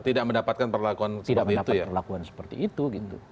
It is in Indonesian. tidak mendapatkan perlakuan seperti itu